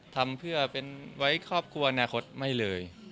ทำเพื่อที่ไว้เราที่ครอบครัวอาณาคตไหมเลย